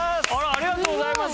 ありがとうございます。